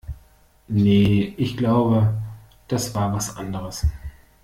Nee, ich glaube, das war was anderes.